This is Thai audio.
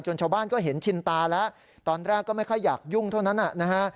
ชาวบ้านก็เห็นชินตาแล้วตอนแรกก็ไม่ค่อยอยากยุ่งเท่านั้นนะฮะ